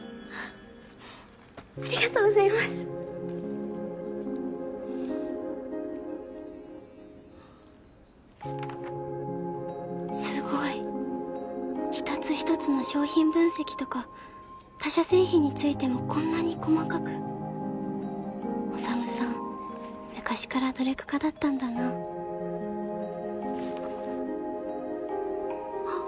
ありがとうございますすごい一つ一つの商品分析とか他社製品についてもこんなに細かく宰さん昔から努力家だったんだなああっ